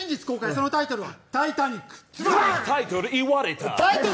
そのタイトルはタイタニック。